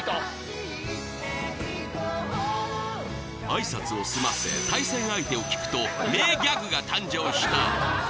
挨拶を済ませ対戦相手を聞くと名ギャグが誕生した！